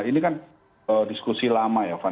ini kan diskusi lama ya fani